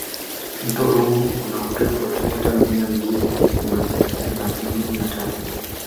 mto ruvu una urefu wa kilomita mia mbili na themanini na tano